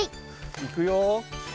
いくよ。